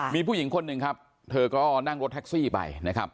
มีผู้หญิงคนหนึ่งครับเธอก็นั่งรถแท็กซี่ไปนะครับ